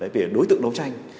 về đối tượng đấu tranh